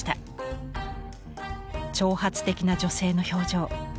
挑発的な女性の表情。